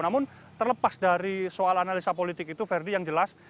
namun terlepas dari soal analisa politik itu verdi yang jelas